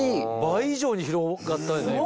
倍以上に広がったよね